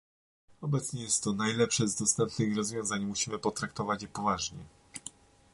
Obecnie jest to najlepsze z dostępnych rozwiązań i musimy potraktować je poważnie